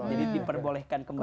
jadi diperbolehkan kembali